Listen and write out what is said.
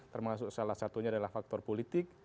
termasuk salah satunya adalah faktor politik